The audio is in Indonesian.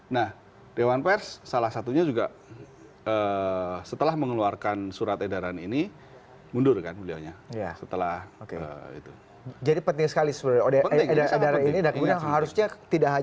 nah dewan pers salah satunya juga setelah mengeluarkan suatu perintah